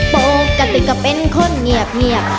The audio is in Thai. โป๊บกะติกะเป็นคนเหนียบเหนียบ